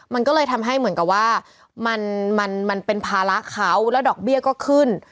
มันก็เลยทำให้เหมือนกับว่ามันเป็นภาระเขาแล้วดอกเบี้ยก็ขึ้น